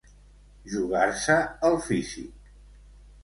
Jugar-se el físic.